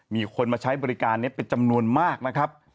มีคนมาใช้บริการนี้เป็นจำนวนมากนะครับ